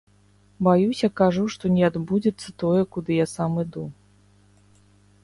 Баюся, кажу, што не адбудзецца тое, куды я сам іду.